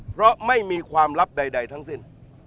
เพราะไม่มีความลับใดทั้งสิ้น